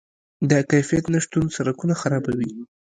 د کیفیت نشتون سرکونه خرابوي.